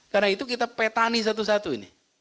karena itu kita petani satu satu ini